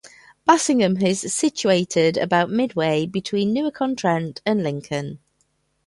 Bassingham is situated about midway between Newark-on-Trent and Lincoln.